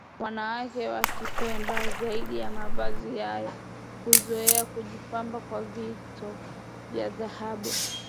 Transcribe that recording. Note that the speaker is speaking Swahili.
Wanawake wa Kipemba zaidi ya mavazi hayo huzoea kujipamba kwa vito vya dhahabu